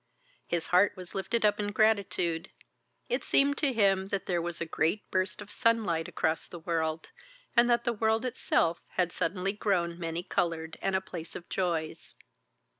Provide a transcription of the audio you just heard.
His heart was lifted up in gratitude. It seemed to him that there was a great burst of sunlight across the world, and that the world itself had suddenly grown many coloured and a place of joys.